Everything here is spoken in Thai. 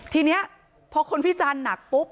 ทีนี้พอคนพิจารณ์หนักปุ๊บ